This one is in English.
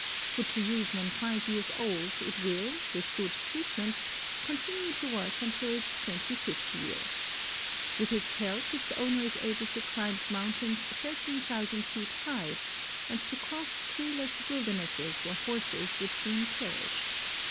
Put to use when five years old, it will, with good treatment, continue to work until its twenty fifth year. With its help, its owner is able to climb mountains thirteen thousand feet high, and to cross treeless wildernesses where horses would soon perish.